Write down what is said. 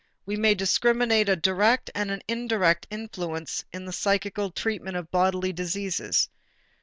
We may discriminate a direct and an indirect influence in the psychical treatment of bodily diseases.